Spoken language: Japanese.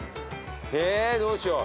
えどうしよう。